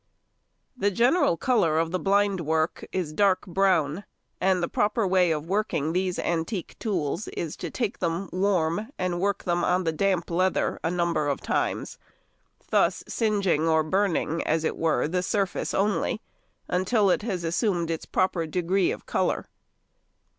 ] The general colour of the blind work is dark brown, and the proper way of working these antique tools is to take them warm and work them on the damp leather a number of times, thus singeing or burning as it were the surface only, until it has assumed its proper degree of colour.